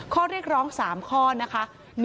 ข้อเรียกร้อง๓ข้อนะคะ